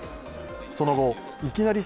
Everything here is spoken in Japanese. その後、いきなり！